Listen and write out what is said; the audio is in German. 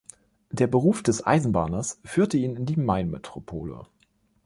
Der Beruf des Eisenbahners führte ihn in die Mainmetropole.